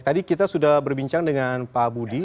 tadi kita sudah berbincang dengan pak budi